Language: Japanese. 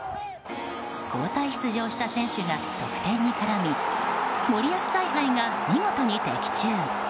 交代出場した選手が得点に絡み森保采配が見事に的中。